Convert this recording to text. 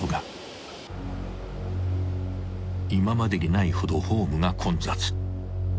［今までにないほどホームが混雑］